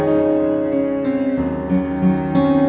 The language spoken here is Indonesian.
aku mau ke sana